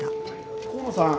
河野さん。